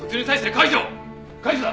解除だ！